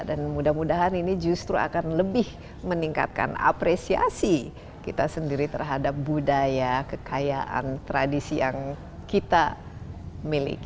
dan mudah mudahan ini justru akan lebih meningkatkan apresiasi kita sendiri terhadap budaya kekayaan tradisi yang kita miliki